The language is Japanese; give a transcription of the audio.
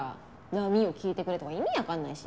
『波よ聞いてくれ』とか意味わかんないし。